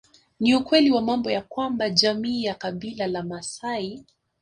Ni ukweli wa mambo ya kwamba jamii ya kabila la maasai